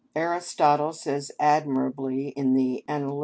Aristotle says admirably in the Analyt.